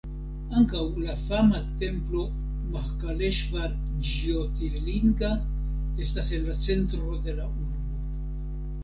Ankaŭ la fama templo Mahakaleŝvar Ĝjotirlinga estas en la centro de la urbo.